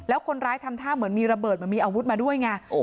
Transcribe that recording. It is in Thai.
แล้วคนร้ายทำท่าเหมือนมีระเบิดเหมือนมีอาวุธมาด้วยไง